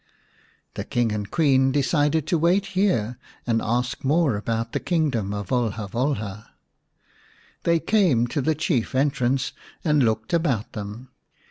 The King and Queen decided to wait here and ask more 101 The Serpent's Bride ix about the kingdom of Volha Volha. They came to the chief entrance and looked about them.